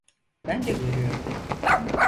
Ben de görüyorum.